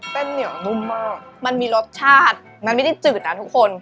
เหนียวนุ่มมากมันมีรสชาติมันไม่ได้จืดนะทุกคน